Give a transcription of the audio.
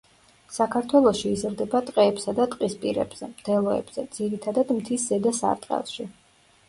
საქართველოში იზრდება ტყეებსა და ტყისპირებზე, მდელოებზე, ძირითადად მთის ზედა სარტყელში.